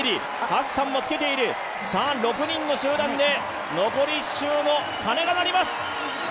ハッサンもつけている、６人の集団で残り１周の鐘がなります。